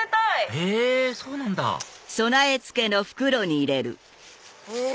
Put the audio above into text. へぇそうなんだへぇ！